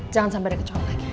jangan sampai ada kecoak lagi